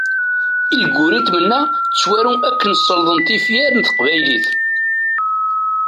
Ilguritment-a ttwaru akken selḍen tifyar n teqbaylit.